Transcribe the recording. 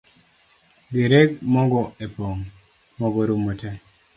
Dhi reg Mogo epong, Mogo orumo tee